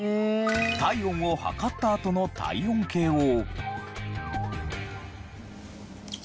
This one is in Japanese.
体温を測ったあとの体温計を。